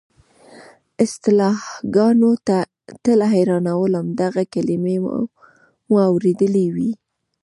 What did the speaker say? اصطلاحګانو تل حیرانولم، دغه کلیمې مو اورېدلې وې.